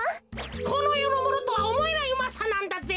このよのものとはおもえないうまさなんだぜ。